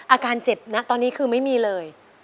อาการเจ็บนะตอนนี้คือไม่มีเลย